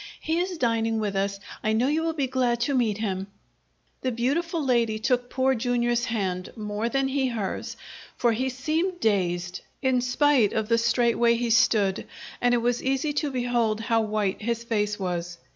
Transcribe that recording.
"He is dining with us. I know you will be glad to meet him." The beautiful lady took Poor Jr.'s hand, more than he hers, for he seemed dazed, in spite of the straight way he stood, and it was easy to behold how white his face was.